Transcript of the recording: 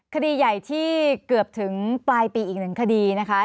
คดีใหญ่ที่เกือบถึงปลายปีอีกหนึ่งคดีนะคะ